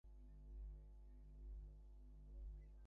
এ ঘটনা প্রতিবছর ঘটছে এবং এই মূল্যবৃদ্ধি নিয়ন্ত্রণ করা সম্ভব হয় না।